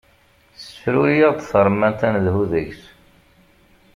Ssefruri-aɣ-d taremmant ad nedhu deg-s.